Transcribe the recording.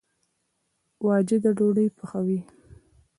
واجده ډوډۍ پخوي